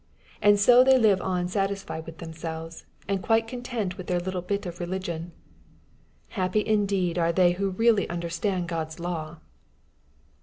And so they live on satisfied with themselves, and qoite content with their little bit of religion. Happy indeed are they who really understand God's law